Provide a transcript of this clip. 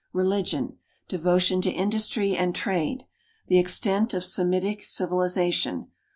Religion. Devotion to industry and trade. The extent of Semitic civilization.